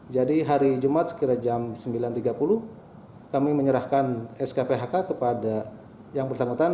jadi hari jumat sekitar jam sembilan tiga puluh kami menyerahkan skphk kepada yang bersangkutan